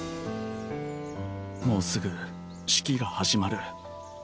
もうすぐ式が始まる。